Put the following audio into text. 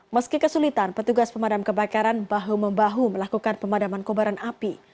meski kesulitan petugas pemadam kebakaran bahu membahu melakukan pemadaman kobaran api